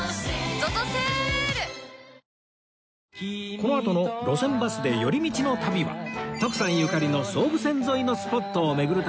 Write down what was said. このあとの『路線バスで寄り道の旅』は徳さんゆかりの総武線沿いのスポットを巡る旅